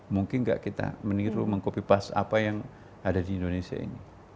mungkin gak kita meniru mengkopipas apa yang ada di indonesia ini